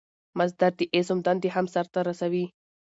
مصدر د اسم دندې هم سر ته رسوي.